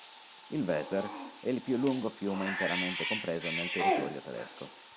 Il Weser è il più lungo fiume interamente compreso nel territorio tedesco.